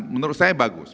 menurut saya bagus